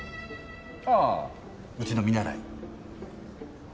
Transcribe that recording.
あぁうちの見習い。